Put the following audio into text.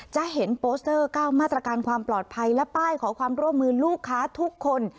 จะเห็นโปสเตอร์๙มาตรการความปลอดภัยและป้ายขอความร่วมมือลูกค้าทุกคน